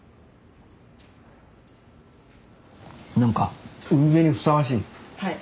何か海辺にふさわしい。